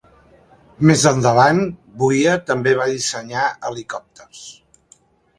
Més endavant, Vuia també va dissenyar helicòpters.